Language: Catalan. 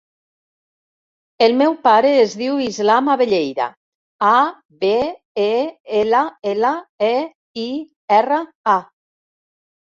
El meu pare es diu Islam Abelleira: a, be, e, ela, ela, e, i, erra, a.